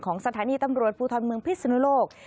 สถานีตำรวจภูทรเมืองพิศนุโลก